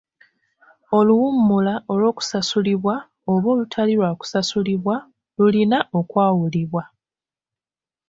Oluwummula olw'okusasulibwa oba olutali lwa kusasulibwa lulina okwawulibwa.